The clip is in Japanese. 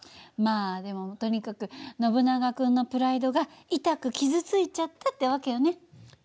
まあでもとにかくノブナガ君のプライドがいたく傷ついちゃったって訳よね。